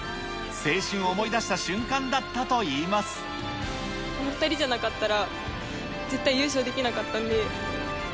青春を思い出した瞬間だったといこの２人じゃなかったら、絶対優勝できなかったんで。